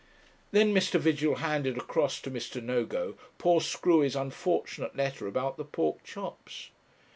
Then Mr. Vigil handed across to Mr. Nogo poor Screwy's unfortunate letter about the pork chops.